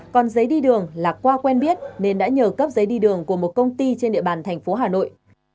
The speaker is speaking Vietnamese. còn giấy đi đường là qua quen biết nên đã nhờ cấp giấy đi đường của một công ty trên địa bàn thành phố hà nội